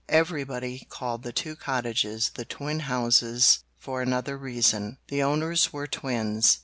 Everybody called the two cottages the twin houses for another reason: the owners were twins.